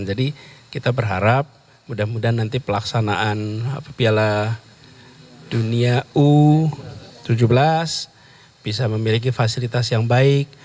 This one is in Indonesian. jadi kita berharap mudah mudahan nanti pelaksanaan piala dunia u tujuh belas bisa memiliki fasilitas yang baik